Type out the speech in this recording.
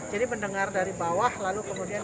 jadi mendengar dari bawah lalu kemudian